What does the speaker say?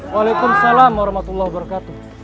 waalaikumsalam warahmatullahi wabarakatuh